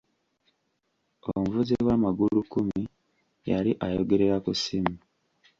Omuvuzi wa magulu kkumi yali ayogerera ku ssimu.